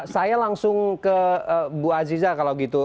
saya langsung ke bu aziza kalau gitu